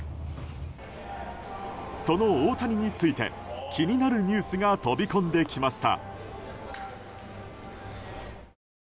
その大谷について気になるニュースが飛び込んできました。